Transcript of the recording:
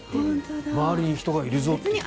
周りに人がいるぞっていうのが。